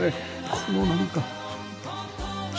このなんか自然。